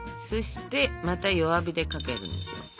そしてまた弱火でかけるんですよ。